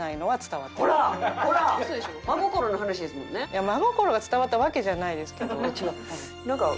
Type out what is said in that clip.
いや真心が伝わったわけじゃないですけど。